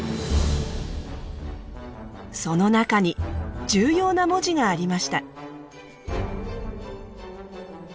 その中に重要な文字がありました。